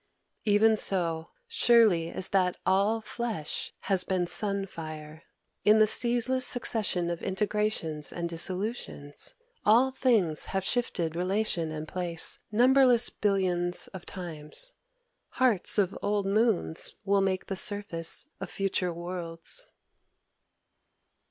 "Even so surely as that all flesh has been sun fire! In the ceaseless succession of integrations and dissolutions, all things have shifted relation and place numberless billions of times. Hearts of old moons will make the surface of future worlds...."